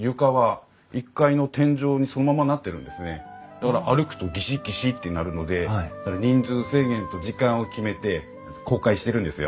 だから歩くとギシギシって鳴るので人数制限と時間を決めて公開してるんですよ。